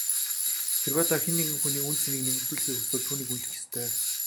Хэрвээ та хэн нэгэн хүний үнэ цэнийг нэмэгдүүлэхийг хүсвэл түүнийг үнэлэх ёстой.